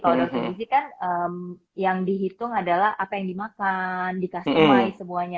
kalau dokter gizi kan yang dihitung adalah apa yang dimakan di customize semuanya